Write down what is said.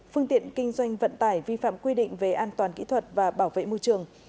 phương tiện kinh doanh vận tải vi phạm quy định về an toàn kỹ thuật và bảo vệ môi trường